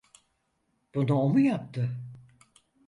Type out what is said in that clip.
Bunu o mu yaptı?